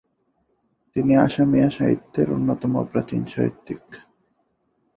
তিনি অসমীয়া সাহিত্যের অন্যতম প্রাচীন সাহিত্যিক।